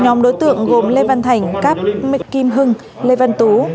nhóm đối tượng gồm lê văn thành cáp mịch kim hưng lê văn tú